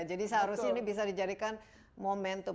jadi seharusnya ini bisa dijadikan momentum